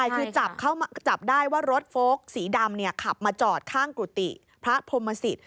คือจับได้ว่ารถโฟลกสีดำขับมาจอดข้างกุฏิพระพรมศิษฐ